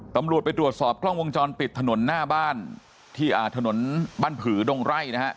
ตำรวจไปตรวจสอบกล้องวงจรปิดถนนหน้าบ้านที่ถนนบ้านผือดงไร่นะฮะ